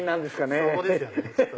そこですよね。